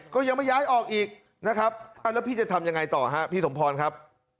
ก็ยังไม่ย้ายออกอีกนะครับแล้วพี่จะทำยังไงต่อฮะพี่สมพรครับ